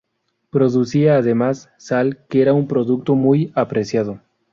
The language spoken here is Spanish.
Producía además, sal, que era un producto muy apreciado.